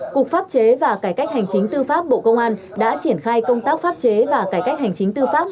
cục pháp chế và cải cách hành chính tư pháp bộ công an đã triển khai công tác pháp chế và cải cách hành chính tư pháp